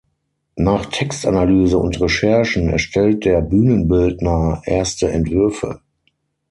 Nach Textanalyse und Recherchen erstellt der Bühnenbildner erste Entwürfe.